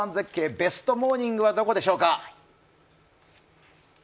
ベストモーニングはどこでしょうか。